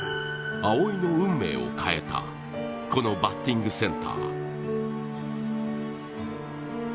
蒼生の運命を変えたこのバッティングセンター。